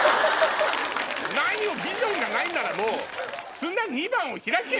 ビジョンがないんならもう。